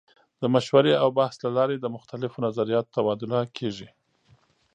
د مشورې او بحث له لارې د مختلفو نظریاتو تبادله کیږي.